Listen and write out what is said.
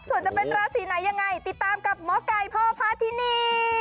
ส่วนจะเป็นราศีไหนยังไงติดตามกับหมอไก่พ่อพาทินี